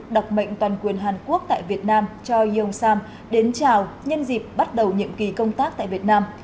đọc mệnh toàn quyền hàn quốc tại việt nam cho yeong sam đến chào nhân dịp bắt đầu nhiệm kỳ công tác tại việt nam